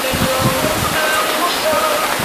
阿库别瑞度规。